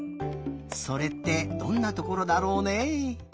それってどんなところだろうね？